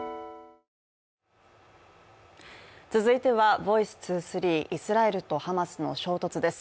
続いては「ｖｏｉｃｅ２３」イスラエルとハマスの衝突です。